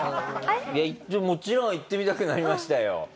もちろん行ってみたくなりましたよ。